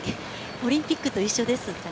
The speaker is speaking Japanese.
オリンピックと一緒ですかね。